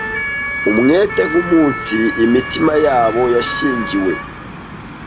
umwete nkumunsi imitima yabo yashyingiwe